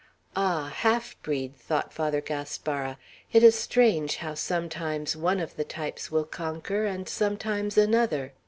"Ah! half breed!" thought Father Gaspara. "It is strange how sometimes one of the types will conquer, and sometimes another!